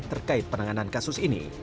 terkait penanganan kasus ini